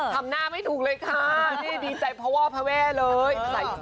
ทำหน้าไม่ถูกเลยค่ะนี่ดีใจเพราะว่าพระแว่เลย